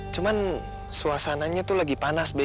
cuman suasananya tuh lagi panas deh